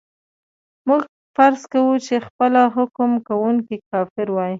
موږ فرض کوو چې خپله حکم کوونکی کافر وای.